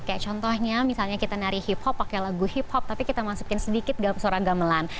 kayak contohnya misalnya kita nari hip hop pakai lagu hip hop tapi kita masukin sedikit suara gamelan